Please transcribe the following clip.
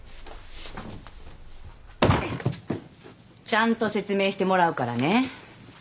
・ちゃんと説明してもらうからね。